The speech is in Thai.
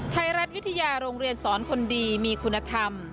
ไทยรัฐวิทยาโรงเรียนสอนคนดีมีคุณธรรม